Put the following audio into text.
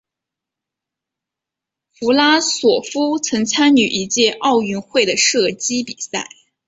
弗拉索夫曾参与一届奥运会的射击比赛。